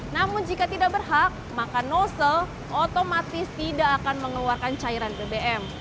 namun jika tidak berhak maka nozzle otomatis tidak akan mengeluarkan cairan bbm